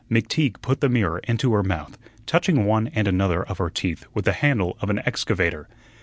McTeague put the mirror into her mouth, touching one and another of her teeth with the handle of an excavator.